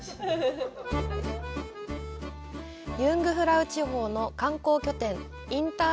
ユングフラウ地方の観光拠点インター